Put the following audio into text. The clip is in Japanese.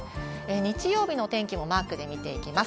日曜日のお天気もマークで見ていきます。